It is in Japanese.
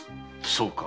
そうか。